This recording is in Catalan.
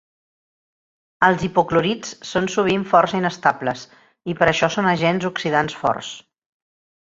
Els hipoclorits són sovint força inestables i per això són agents oxidants forts.